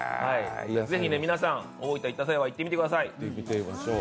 ぜひ皆さん大分行った際は行ってみてください。